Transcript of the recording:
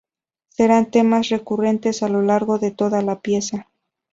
Serán temas recurrentes a lo largo de toda la pieza.